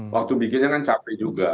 waktu bikinnya kan capek juga